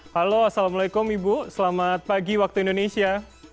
halo assalamualaikum ibu selamat pagi waktu indonesia